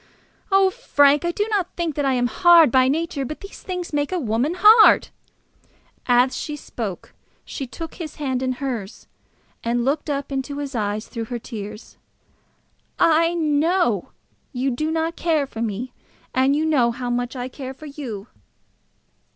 Oh, Frank, I do not think that I am hard by nature, but these things make a woman hard." As she spoke she took his hand in hers, and looked up into his eyes through her tears. "I know that you do not care for me, and you know how much I care for you."